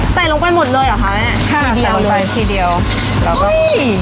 ใส่ลงไปหมดเลยเหรอคะแม่ค่ะใส่ลงไปทีเดียวแล้วก็อุ้ย